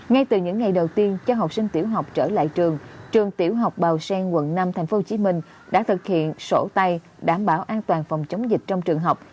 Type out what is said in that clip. ngay từ những ngày đầu tiên cho học sinh tiểu học trở lại trường trường tiểu học bào sen quận năm tp hcm đã thực hiện sổ tay đảm bảo an toàn phòng chống dịch trong trường học